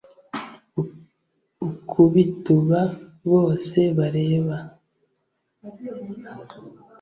Ukubituba bose bareba